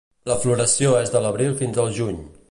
La floració és de l'Abril fins al Juny.